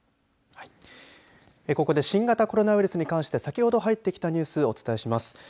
ここで新型コロナウイルスにかんして、先ほど入ってきたニュースをお伝えします。